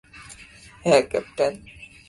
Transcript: হ্যাঁ, ক্যাপ্টেন?